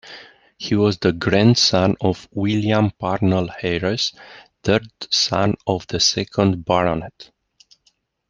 He was grandson of William Parnell-Hayres, third son of the second Baronet.